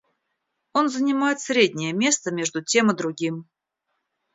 Он занимает среднее место между тем и другим.